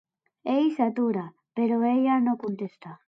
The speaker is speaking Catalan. Ell s'atura, però ella no contesta.